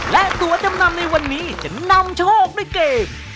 และตัวจำนำในวันนี้จะนำโชคด้วยเกม